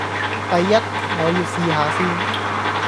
第一，我要試吓先